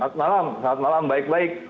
selamat malam baik baik